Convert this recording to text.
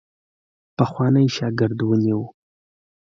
پخوانی شاګرد ونیوی.